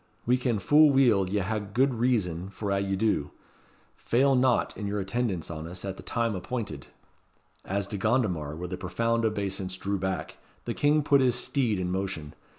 "We ken fu' weel ye hae gude reason for a' ye do. Fail not in your attendance on us at the time appointed." As De Gondomar with a profound obeisance drew back, the King put his steed in motion.